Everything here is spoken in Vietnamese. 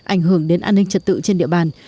ảnh hưởng đến an ninh trật tự trên địa bàn